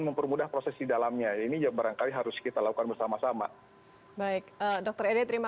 mempermudah proses di dalamnya ini juga barangkali harus kita lakukan bersama sama baik dokter edia terima